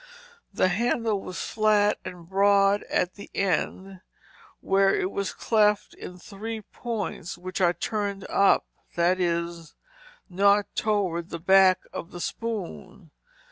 The handle was flat and broad at the end, where it was cleft in three points which were turned up, that is, not toward the back of the spoon.